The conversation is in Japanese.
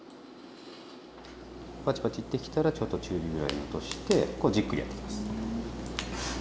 パチパチいってきたらちょっと中火ぐらいに落としてこうじっくりやってきます。